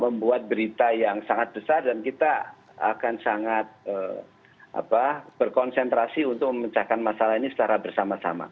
membuat berita yang sangat besar dan kita akan sangat berkonsentrasi untuk memecahkan masalah ini secara bersama sama